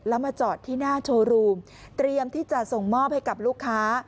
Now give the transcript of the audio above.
แล้วมาจอดที่หน้าโชว์รูมเตรียมที่จะส่งมอบให้กับลูกค้า